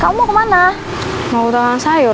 kamu boleh kamu boleh